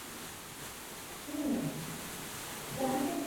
野芝麻马蓝为爵床科马蓝属下的一个种。